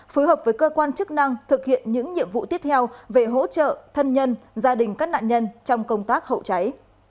phối hợp với cơ quan chức năng thực hiện những nhiệm vụ tiếp theo về hỗ trợ thân nhân gia đình các nạn nhân trong công tác hậu cháy